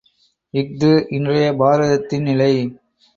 இஃது இன்றைய பாரதத்தின் நிலை.